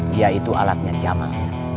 dia itu alatnya jamal